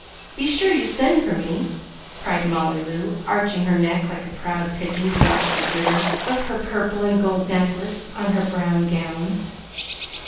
Be sure you send for me!" cried Molly Loo, arching her neck like a proud pigeon to watch the glitter of her purple and gold necklace on her brown gown.